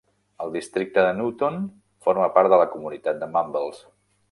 El districte de Newton forma part de la comunitat de Mumbles.